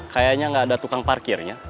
kayaknya nggak ada tukang parkirnya